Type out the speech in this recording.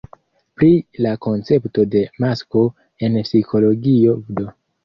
Pri la koncepto de "masko" en psikologio vd.